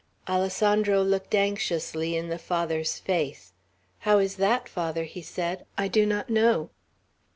Alessandro looked anxiously in the Father's face. "How is that, Father?" he said. "I do not know."